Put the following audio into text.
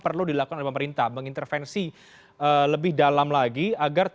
perlu dilakukan oleh pemerintah mengintervensi lebih dalam lagi agar